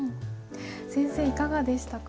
先生いかがでしたか？